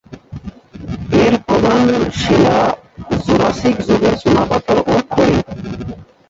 এর প্রধান শিলা জুরাসিক যুগের চুনাপাথর ও খড়ি।